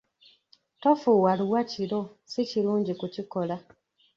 Tofuuwa luwa kiro, si kirungi kukikola.